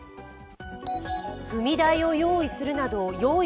踏み台を用意するなど用意